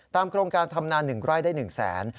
ตามกรงการธรรมดา๑ไร่ได้๑แสน